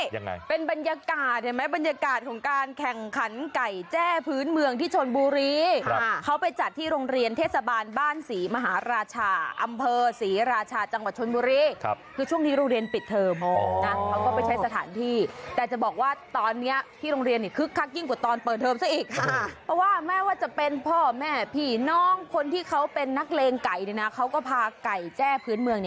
อย่างนี้เป็นบรรยากาศเห็นไหมบรรยากาศของการแข่งขันไก่แจ้พื้นเมืองที่ชนบุรีเขาไปจัดที่โรงเรียนเทศบาลบ้านศรีมหาราชาอำเภอศรีราชาจังหวัดชนบุรีคือช่วงที่โรงเรียนปิดเทอมเขาก็ไปใช้สถานที่แต่จะบอกว่าตอนนี้ที่โรงเรียนคึกคักยิ่งกว่าตอนเปิดเทอมซะอีกเพราะว่าไม่ว่าจะเป็